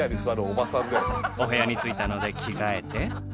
お部屋に着いたので着替えて。